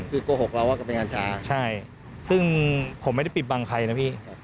คือโกหกเราว่าจะเป็นกัญชาใช่ซึ่งผมไม่ได้ปิดบังใครนะพี่